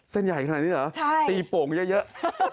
เส้นใหญ่ขนาดนี้เหรอตีโป่งเยอะ